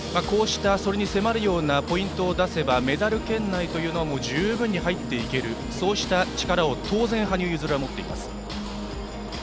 こうした、それに迫るようなポイントを出せばメダル圏内に十分に入っていけるそうした力を当然、羽生結弦は持っています。